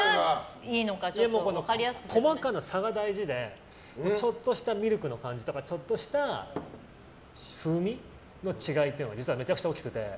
細かな差が大事でちょっとしたミルクの感じとかちょっとした風味の違いが実はめちゃくちゃ大きくて。